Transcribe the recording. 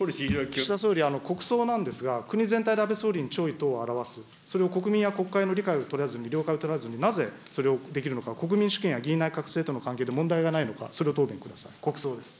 岸田総理、国葬なんですが、国全体で安倍総理に弔意等を表す、それを国民や国会の理解を取らず、了解を取らずに、なぜ、それをできるのか、国民主権や議院内閣制との関係で問題がないのか、それを答弁ください。